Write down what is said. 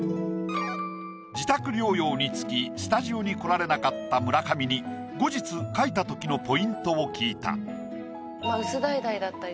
自宅療養につきスタジオに来られなかった村上に後日描いた時のポイントを聞いた。